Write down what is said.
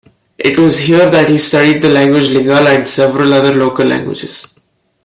It was here that he studied the language Lingala and several other local languages.